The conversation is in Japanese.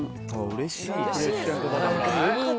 うれしいですね。